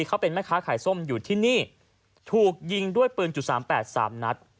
เขาเป็นแม่ค้าขายส้มอยู่ที่นี่ถูกยิงด้วยปืนจุดสามแปดสามนัด